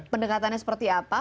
pendekatannya seperti apa